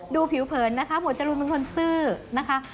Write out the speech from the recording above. ดูผิวเผินนะคะหมวดจรูนเป็นคนซื่อนะคะ